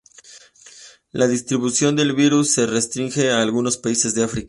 La distribución del virus se restringe a algunos países de África.